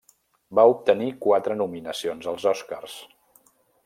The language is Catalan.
Va obtenir quatre nominacions als Oscars.